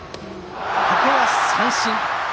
ここは三振。